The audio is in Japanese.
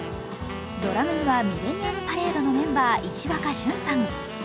ドラムには、ｍｉｌｌｅｎｎｉｕｍｐａｒａｄｅのメンバー、石若駿さん。